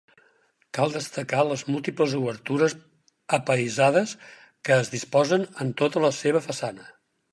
Cal destacar les múltiples obertures apaïsades que es disposen en tota la seva façana.